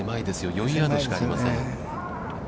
４ヤードしかありません。